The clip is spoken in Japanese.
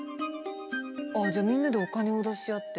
じゃあみんなでお金を出し合って。